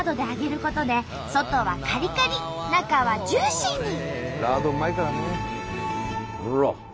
ラードうまいからね。